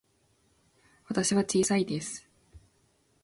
私は小さいです。